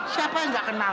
siapa yang nggak kenal